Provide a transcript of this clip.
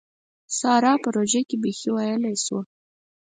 سارا په روژه کې بېخي ويلې شوه.